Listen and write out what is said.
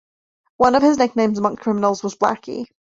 One of his nicknames among criminals was Blacky.